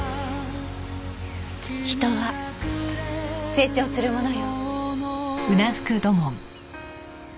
人は成長するものよ。